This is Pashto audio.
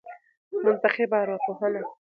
منتخبه ارواپوهنه